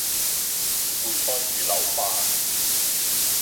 梅菜魚柳飯